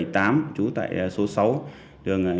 trú tại số sáu